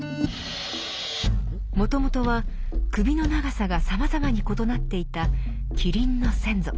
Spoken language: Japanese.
もともとは首の長さがさまざまに異なっていたキリンの先祖。